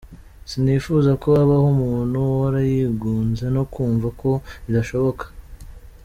Sinifuza ko habaho umuntu uhora yigunze no kumva ko ‘bidashoboka’.